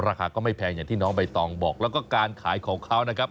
ราคาก็ไม่แพงอย่างที่น้องใบตองบอกแล้วก็การขายของเขานะครับ